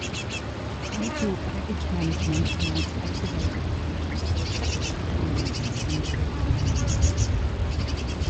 Haiku package management mounts activated packages over a read only system directory.